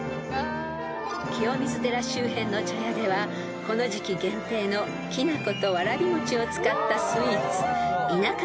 ［清水寺周辺の茶屋ではこの時期限定のきな粉とわらび餅を使ったスイーツ田舎氷が大人気］